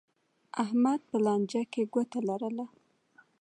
احمد په لانجه کې ګوته لرله.